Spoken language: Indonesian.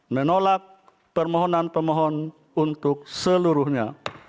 menolak permohonan pemohon untuk seluruhnya